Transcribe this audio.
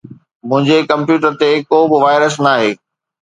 منهنجي ڪمپيوٽر تي ڪو به وائرس ناهي